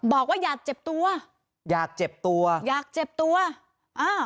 บอกว่าอยากเจ็บตัวอยากเจ็บตัวอยากเจ็บตัวอ้าว